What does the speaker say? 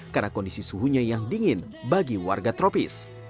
karena kondisi suhunya yang dingin bagi warga tropis